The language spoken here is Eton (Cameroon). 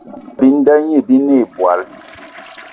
Bissa bi nda gnî binê ìbwal